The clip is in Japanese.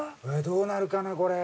どうなるかなこれ。